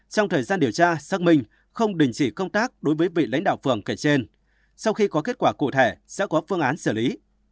trong thời gian điều tra xác minh không đình chỉ công tác đối với vị lãnh đạo phường kể trên sau khi có kết quả cụ thể sẽ có phương án xử lý